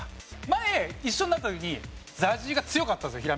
前一緒になった時にＺＡＺＹが強かったんですよ